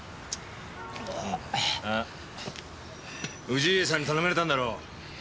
あ氏家さんに頼まれたんだろ？